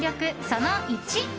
その１。